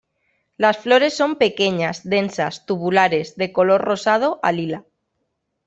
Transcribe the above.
Las flores son pequeñas, densas, tubulares, de color rosado a lila.